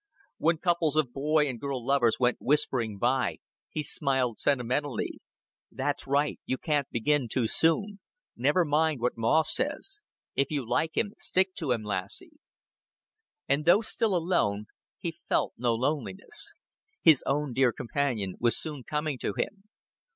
When couples of boy and girl lovers went whispering by, he smiled sentimentally. "That's right. You can't begin too soon. Never mind what Ma says. If you like him, stick to him, lassie." And though still alone, he felt no loneliness. His own dear companion was soon coming to him.